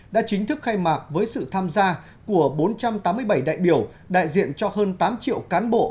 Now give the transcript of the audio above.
đã chính thức khai mạc với sự tham gia của bốn trăm tám mươi bảy đại biểu đại diện cho hơn tám triệu cán bộ